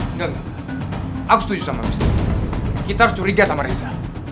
enggak enggak aku setuju sama presiden kita harus curiga sama riza